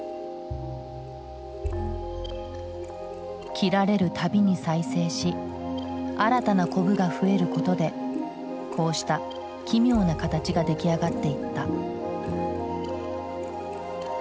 切られるたびに再生し新たなコブが増えることでこうした奇妙な形が出来上がっていった。